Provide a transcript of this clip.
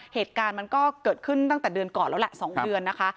เหตุการณ์มันก็เกิดขึ้นตั้งแต่เดือนก่อนแล้วแหละ๒เดือนนะคะ